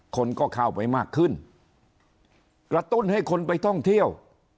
คนก็เข้าไปมากขึ้นกระตุ้นให้คนไปท่องเที่ยว